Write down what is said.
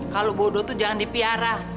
kalau bodoh itu jangan dipiara